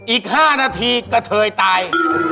อีก๕นาทีเกฐยตาย